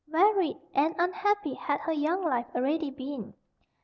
Varied and unhappy had her young life already been.